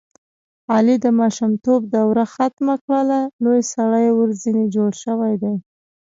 علي د ماشومتوب دروه ختمه کړله لوی سړی ورځنې جوړ شوی دی.